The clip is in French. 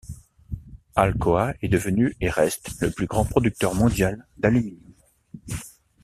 Alcoa est devenu et reste le plus grand producteur mondial d'aluminium.